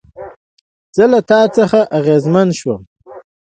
زه له تا څخه اغېزمن شوم